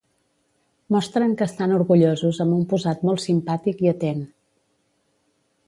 Mostren que estan orgullosos amb un posat molt simpàtic i atent.